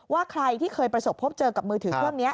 ว่าใครที่เคยประสบพบเจอกับมือถือเครื่องนี้